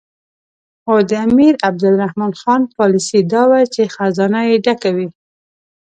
خو د امیر عبدالرحمن خان پالیسي دا وه چې خزانه یې ډکه وي.